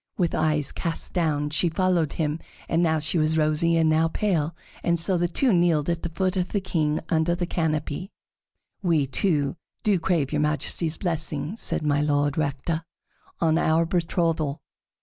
With eyes cast down she followed him, and now she was rosy and now pale, and so the two kneeled at the feet of the king under the canopy. "We two do crave your Majesty's blessing," said My Lord Rector, "on our betrothal."